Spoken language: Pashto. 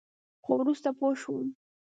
خو وروسته پوه شوم.